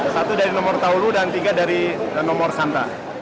satu dari nomor taulu dan tiga dari nomor sanda